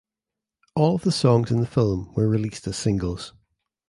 All the songs in the film were released as singles.